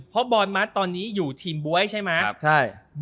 เพราะบอยมัดตอนนี้อยู่ทีมบ๊วยใช่ไหม